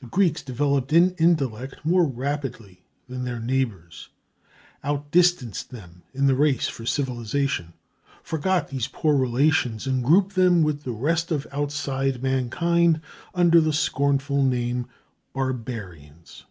The Greeks developed in intellect more rapidly than their neighbors, outdistanced them in the race for civilization, forgot these poor relations, and grouped them with the rest of outside mankind under the scornful name "barbarians."